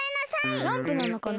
スランプなのかな。